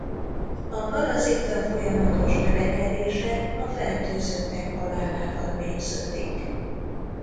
A parazita folyamatos növekedése a fertőzöttek halálával végződik.